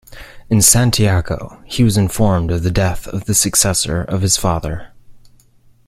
In Santiago he was informed of the death of the successor of his father.